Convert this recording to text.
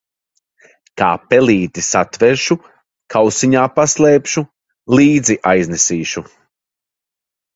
Kā pelīti satveršu, kausiņā paslēpšu, līdzi aiznesīšu.